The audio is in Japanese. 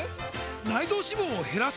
内臓脂肪を減らす！？